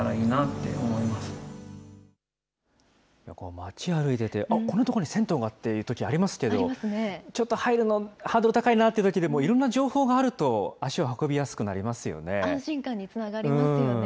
街歩いてて、あっ、こんな所に銭湯がっていうときありますけど、ちょっと入るのハードル高いなってときでも、いろんな情報があると、足を運びやすく安心感につながりますよね。